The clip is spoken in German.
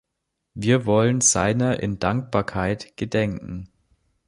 Wir wollen seiner in Dankbarkeit gedenken.